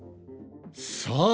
さあ